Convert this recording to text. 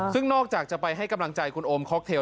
ซึ่งนอกจากจะไปให้กำลังใจคุณโอมค็อกเทล